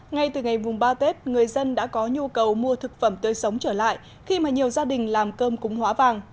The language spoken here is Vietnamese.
ngay từ ngày vùng ba tết người dân đã có nhu cầu mua thực phẩm tươi sống trở lại khi mà nhiều gia đình làm cơm cúng hóa vàng